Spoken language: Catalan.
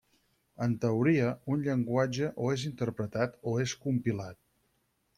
En teoria, un llenguatge o és interpretat o és compilat.